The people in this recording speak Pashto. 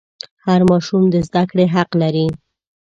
هر ماشوم د زده کړې حق لري.